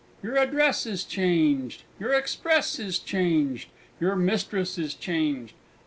Your address is changed! Your express is changed! Your mistress is changed!